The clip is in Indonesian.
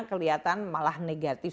kelihatan malah negatif